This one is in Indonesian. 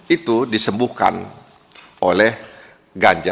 itu disembuhkan oleh ganja